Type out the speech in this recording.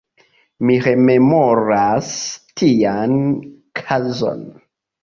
Mi rememoras tian kazon.